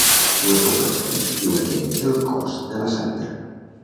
Dues poblacions diuen tenir el cos de la santa.